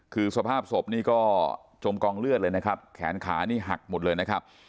คือสภาพศพนี่ก็จมกองเลือดเลยนะครับแขนขานี่หักหมดเลยนะครับ